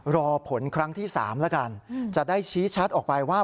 รอผลครั้งที่๓แล้วกันจะได้ชี้ชัดออกไปว่า